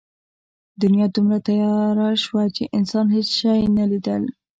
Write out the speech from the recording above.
دنیا دومره تیاره شوه چې انسان هېڅ شی نه لیدل.